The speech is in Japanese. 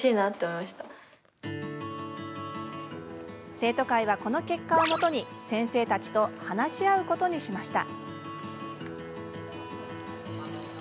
生徒会は、この結果をもとに先生たちと話し合うことにしました。